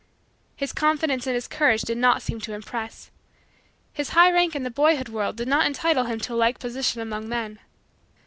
His confidence and his courage did not seem to impress. His high rank in the boyhood world did not entitle him to a like position among men.